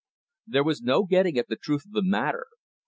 There was no getting at the truth of the matter.